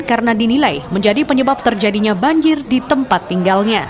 karena dinilai menjadi penyebab terjadinya banjir di tempat tinggalnya